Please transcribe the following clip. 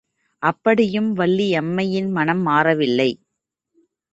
அப்படியும் வள்ளியம்மையின் மனம் மாறவில்லை.